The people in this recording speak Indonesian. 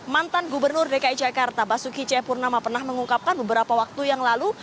mantan gubernur dki jakarta basuki cepurnama pernah mengungkapkan beberapa waktu yang lalu